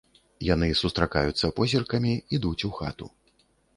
Яны сустракаюцца позіркамі, ідуць у хату.